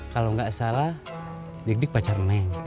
kalau gak salah dik dik pacar neng